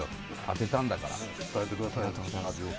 当てたんだから伝えてください味を・